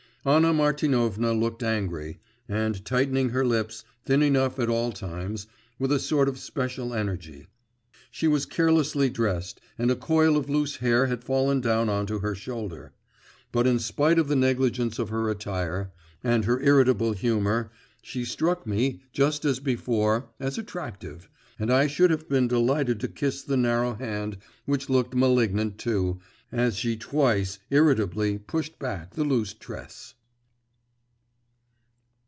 Anna Martinovna looked angry, and tightened her lips, thin enough at all times, with a sort of special energy. She was carelessly dressed, and a coil of loose hair had fallen down on to her shoulder. But in spite of the negligence of her attire, and her irritable humour, she struck me, just as before, as attractive, and I should have been delighted to kiss the narrow hand which looked malignant too, as she twice irritably pushed back the loose tress.